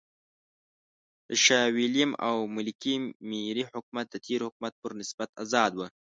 د شاه وېلیم او ملکې مېري حکومت د تېر حکومت پر نسبت آزاد و.